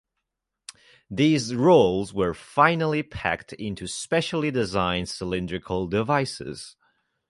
These rolls were finally packed into specially designed cylindrical devices.